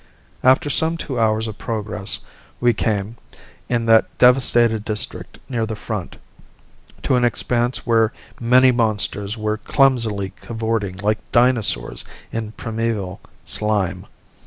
After some two hours of progress we came, in that devastated district near the front, to an expanse where many monsters were clumsily cavorting like dinosaurs in primeval slime.